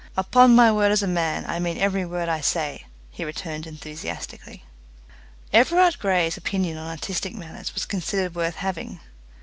"Upon my word as a man, I mean every word I say," he returned enthusiastically. Everard Grey's opinion on artistic matters was considered worth having.